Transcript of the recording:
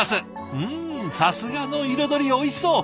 うんさすがの彩りおいしそう！